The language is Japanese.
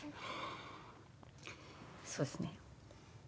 そうですね。